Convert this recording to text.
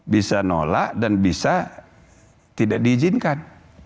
bisa nolak dan bisa tidak diizinkan